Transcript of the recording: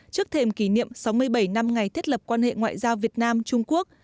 trước thềm kỷ niệm sáu mươi bảy năm ngày thiết lập quan hệ ngoại giao việt nam trung quốc